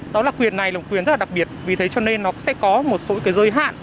đó là quyền này là một quyền rất là đặc biệt vì thế cho nên nó sẽ có một số cái giới hạn